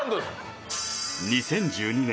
２０１２年